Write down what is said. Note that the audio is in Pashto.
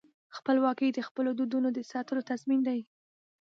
خپلواکي د خپلو دودونو د ساتلو تضمین دی.